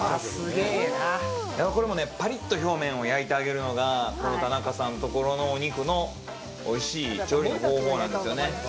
これもね、パリッと表面を焼いてあげるのが、この田中さんのところのお肉のおいしい調理の方法なんですよね。